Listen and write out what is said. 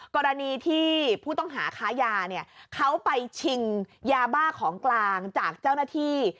กรณีที่ผู้ต้องหาค้ายาเนี่ยเขาไปชิงยาบ้าของกลางจากเจ้าหน้าที่